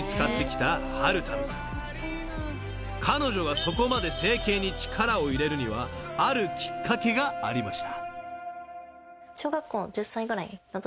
［彼女がそこまで整形に力を入れるにはあるきっかけがありました］